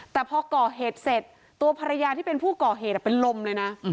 แต่พอก่อเหตุเสร็จตัวภรรยาที่เป็นผู้ก่อเหตุเป็นลมเลยนะ